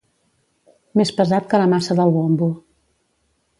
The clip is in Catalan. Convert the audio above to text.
Més pesat que la maça del bombo